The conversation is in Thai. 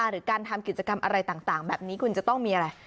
หรือการทำกิจกรรมอะไรต่างแบบนี้คุณจะต้องมีอะไร